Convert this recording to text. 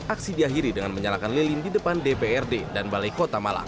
aksi diakhiri dengan menyalakan lilin di depan dprd dan balai kota malang